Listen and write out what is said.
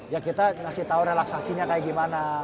ya kita ngasih tau relaksasinya kayak gimana